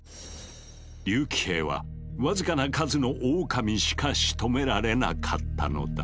竜騎兵は僅かな数のオオカミしかしとめられなかったのだ。